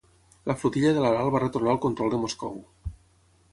La flotilla de l'Aral va retornar al control de Moscou.